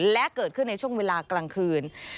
และเกิดขึ้นในช่วงเวลากลางคืน